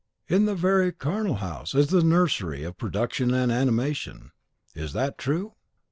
In the very charnel house is the nursery of production and animation. Is that true?